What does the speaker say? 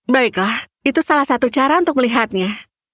baiklah itu salah satu cara untuk melihatnya